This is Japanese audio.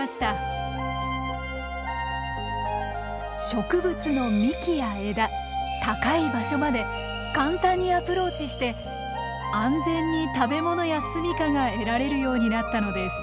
植物の幹や枝高い場所まで簡単にアプローチして安全に食べ物やすみかが得られるようになったのです。